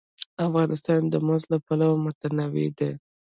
افغانستان د زمرد له پلوه متنوع دی.